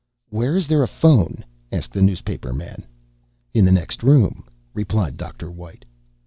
"Where is there a phone?" asked the newspaperman. "In the next room," replied Dr. White.